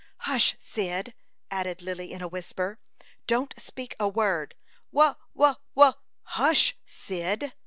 "Hush, Cyd!" added Lily, in a whisper. "Don't speak a word." "Wha wha wha " "Hush, Cyd!"